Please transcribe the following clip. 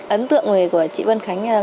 ấn tượng người của chị vân khánh là chị vân khánh